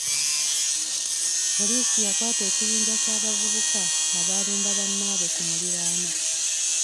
Poliisi yakwata ekibinja ky'abavubuka abaalumba bannaabwe ku muliraano.